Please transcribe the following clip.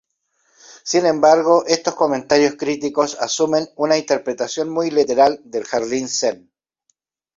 Sin embargo, estos comentarios críticos asumen una interpretación muy literal del jardín Zen.